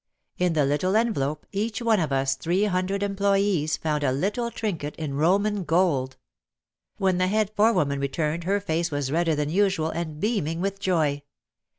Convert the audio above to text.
In the little envelope each one of us three hundred employes found a little trinket in Roman gold. When the head forewoman returned her face was redder than usual and beaming with joy.